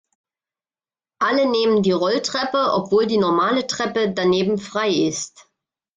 Alle nehmen die Rolltreppe, obwohl die normale Treppe daneben frei ist.